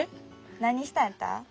何したんやった？